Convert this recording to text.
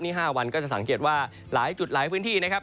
นี่๕วันก็จะสังเกตว่าหลายจุดหลายพื้นที่นะครับ